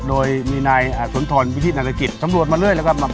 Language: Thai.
โดยมีนายสนทรวจวิธีนาฬิกิจสำรวจมาเลยแล้วก็มา